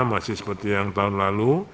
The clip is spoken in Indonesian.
masih seperti yang tahun lalu